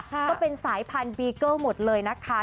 ก็เป็นสายพันธุ์บีเกิลหมดเลยนะคะ